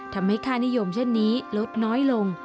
ทำให้ค่านิยมเช่นนี้ลดน้อยลง